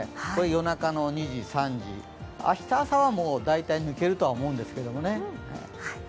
夜中の２時、３時、明日の朝は大体抜けるとは思うんですけどね。